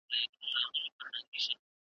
دا دي كور دى دا دي اور .